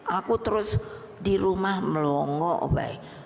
aku terus di rumah melongok weh